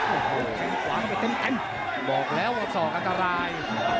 โอ้โหแทงขวางไปเต็มบอกแล้วว่าศอกอันตราย